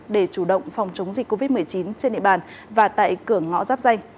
để chủ động phòng chống dịch covid một mươi chín trên địa bàn và tại cửa ngõ giáp danh